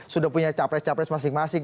sudah punya capres capres masing masing